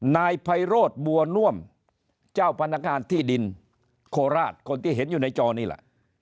นายไพโรธบัวน่วมเจ้าพนักงานที่ดินโคราชคนที่เห็นอยู่ในจอนี่แหละ